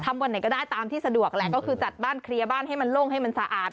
วันไหนก็ได้ตามที่สะดวกแหละก็คือจัดบ้านเคลียร์บ้านให้มันโล่งให้มันสะอาด